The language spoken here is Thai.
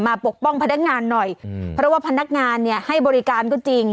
ปกป้องพนักงานหน่อยเพราะว่าพนักงานเนี่ยให้บริการก็จริง